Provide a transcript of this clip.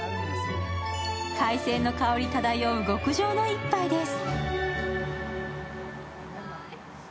海鮮の香り漂う極上の一杯です。